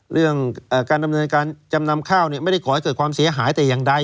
เรื่องการดำเนินการจำนำข้าวไม่ได้ก่อให้เกิดความเสียหายแต่อย่างใด